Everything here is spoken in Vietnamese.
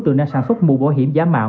đối tượng đang sản xuất mũ bảo hiểm giả mạo